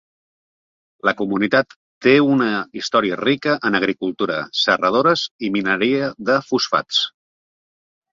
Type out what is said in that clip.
La comunitat té una història rica en agricultura, serradores i mineria de fosfats.